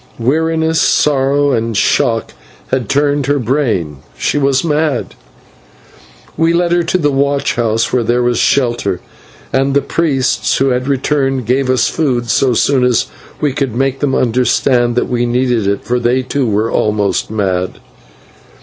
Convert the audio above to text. Weariness, sorrow, and shock had turned her brain, and she was mad. We led her to the watch house, where there was shelter, and the priests, who had returned, gave us food so soon as we could make them understand that we needed it, for they too were almost mad.